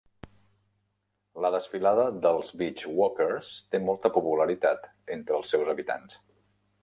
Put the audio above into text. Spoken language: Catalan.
La desfilada dels Beach Walkers té molta popularitat entre els seus habitants.